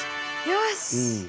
よし！